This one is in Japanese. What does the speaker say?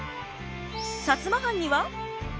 摩藩には。